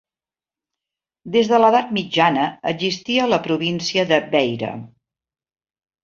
Des de l'edat mitjana existia la província de Beira.